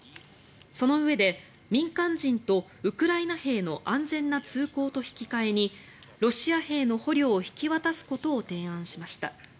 そのうえで民間人とウクライナ兵の安全な通行と引き換えにロシア兵の捕虜を引き渡すことを提案しました。